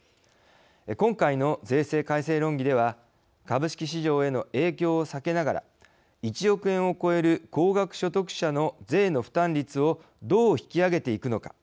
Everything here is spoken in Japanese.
今回の税制改正論議では株式市場への影響を避けながら１億円を超える高額所得者の税の負担率をどう引き上げていくのか。